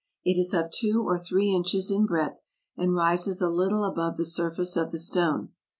It is of two or three inches in breadth, and rises a little above the surface of the stone.